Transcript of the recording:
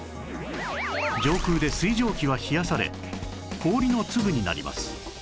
上空で水蒸気は冷やされ氷の粒になります